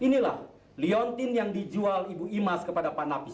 hai inilah leontin yang dijual ibu imas kepada pak nafis